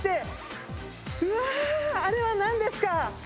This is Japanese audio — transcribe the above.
あれはなんですか？